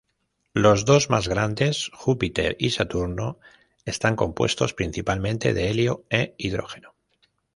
Los dos más grandes, Júpiter y Saturno, están compuestos principalmente de helio e hidrógeno.